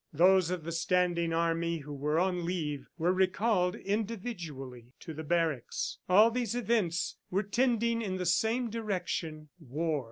Those of the standing army who were on leave were recalled individually to the barracks. All these events were tending in the same direction war.